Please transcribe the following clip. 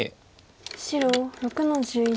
白６の十一。